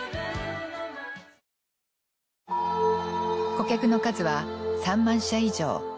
顧客の数は３万社以上。